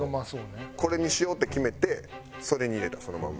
これにしようって決めてそれに入れたそのまんま。